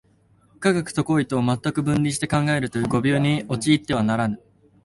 科学と行為とを全く分離して考えるという誤謬に陥ってはならぬ。